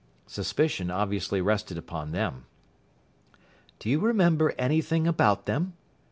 Suspicion obviously rested upon them. "Do you remember anything about them?"